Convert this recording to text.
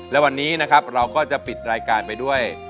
และวันนี้นะครับเราก็จะปิดรายการไปด้วย